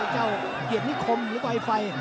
เกี่ยวนี้คมหรือไวไฟ